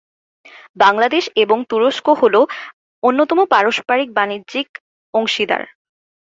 বাংলাদেশ এবং তুরস্ক হল অন্যতম পারস্পারিক বাণিজ্যিক অংশীদার।